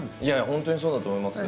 本当にそうだと思います。